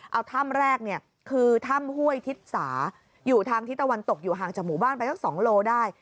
เอาถ้ำแรกเนี่ยคือถ้ำห้วยทิศสาอยู่ทางทิศตะวันตกอยู่ห่างจากหมู่บ้านไปสัก๒โลได้